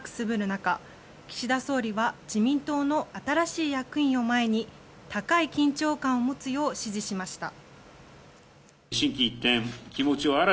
中岸田総理は自民党の新しい役員を前に高い緊張感を持つよう指示しました。